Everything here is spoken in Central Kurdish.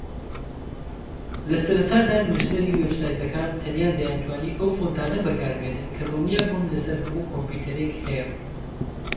ەسەرەتادا نووسەری وێبسایتەکان تەنیا دەیانتوانی ئەو فۆنتانە بەکاربێنن کە دڵنیابوون لەسەر هەموو کۆمپیوتەرێک هەیە